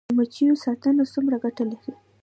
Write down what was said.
د مچیو ساتنه څومره ګټه لري؟